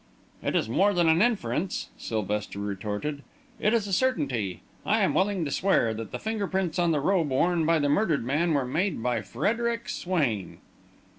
"It is more than an inference," Sylvester retorted. "It is a certainty. I am willing to swear that the finger prints on the robe worn by the murdered man were made by Frederic Swain."